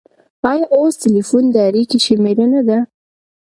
آیا اوس ټیلیفون د اړیکې وسیله نه ده؟